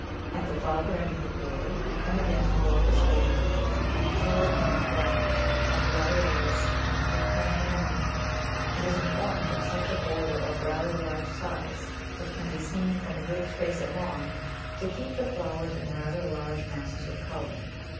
At the farther end of the border we come again to glaucous foliage and pale pink flower of Gladiolus and Japan Anemone. It is important in such a border of rather large size, that can be seen from a good space of lawn, to keep the flowers in rather large masses of colour.